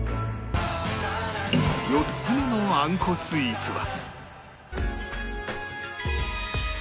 ４つ目のあんこスイーツは